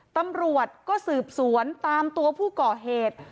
ตำรวจก็สืบสวนตามตัวผู้ก่อเหตุ